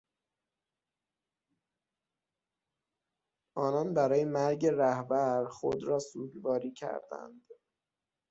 آنان برای مرگ رهبر خود را سوگواری کردند.